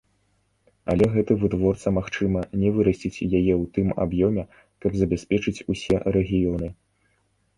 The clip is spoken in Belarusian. Але гэты вытворца, магчыма, не вырасціць яе ў тым аб'ёме, каб забяспечыць усе рэгіёны.